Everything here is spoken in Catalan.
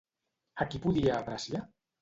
A qui podia apreciar?